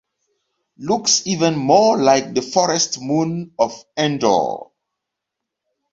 Looks even more like the forest moon of Endor